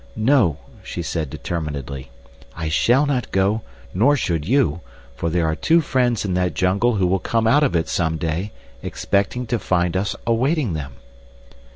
"No," she said, determinedly, "I shall not go, nor should you, for there are two friends in that jungle who will come out of it some day expecting to find us awaiting them.